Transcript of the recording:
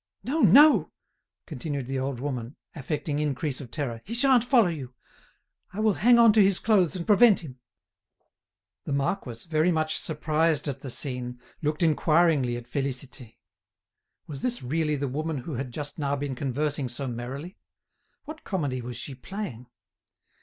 "No, no," continued the old woman, affecting increase of terror, "he sha'n't follow you. I will hang on to his clothes and prevent him." The marquis, very much surprised at the scene, looked inquiringly at Félicité. Was this really the woman who had just now been conversing so merrily? What comedy was she playing?